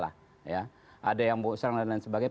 ada yang bawa serang dan lain sebagainya